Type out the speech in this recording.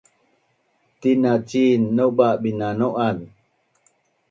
tina cin nauba’binau’az